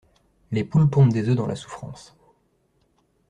Les poules pondent des oeufs dans la souffrance.